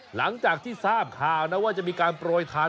หลังจากที่ทราบข่าวนะว่าจะมีการโปรยทาน